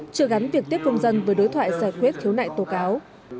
chưa gắn việc tiếp công dân với đối thoại giải quyết khiếu nại tố cáo